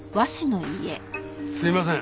すいません。